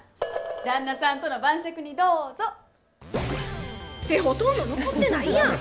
旦那さんとの晩酌にどうぞ。ってほとんど残ってないやん。